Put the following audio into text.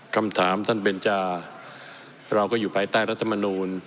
คำถามท่านเบนจาเราก็อยู่ภายใต้รัฐมนูล